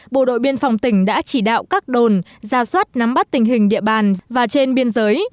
bộ đội biên phòng tỉnh đã chỉ đạo các đồn ra soát nắm bắt tình hình địa bàn và trên biên giới